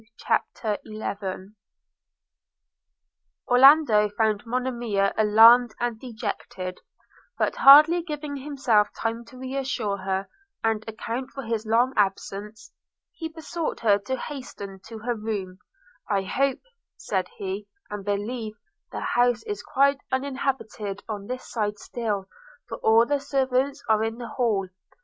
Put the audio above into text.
CHAPTER XI ORLANDO found Monimia alarmed and dejected; but hardly giving himself time to re assure her, and account for his long absence, he besought her to hasten to her room – 'I hope,' said he, 'and believe the house is quite uninhabited on this side still, for all the servants are in the hall.